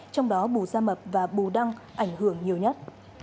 trong đó bù gia mập và bù đăng ảnh hưởng nhiều nhất